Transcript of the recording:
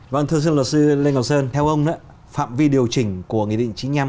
vâng thưa sư luật sư lê ngọc sơn theo ông phạm vi điều chỉnh của nghị định chín mươi năm